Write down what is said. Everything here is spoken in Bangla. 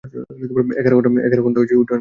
এগার ঘন্টা উড্ডয়নকাল।